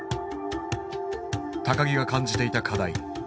木が感じていた課題。